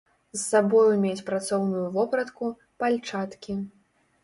З сабою мець працоўную вопратку, пальчаткі.